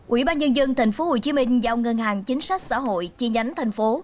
ubnd tp hcm giao ngân hàng chính sách xã hội chi nhánh thành phố